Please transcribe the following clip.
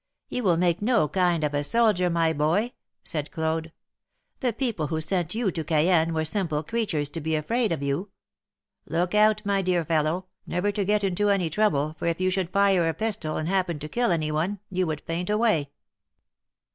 You will make no kind of a soldier, my boy," said Claude. The people who sent you to Cayenne were simple creatures to be afraid of you ! Look out, my dear fellow, never to get into any trouble, for if you should fire a pistol and happen to kill any one you would faint away